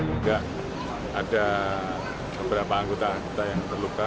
tidak ada beberapa anggota anggota yang terluka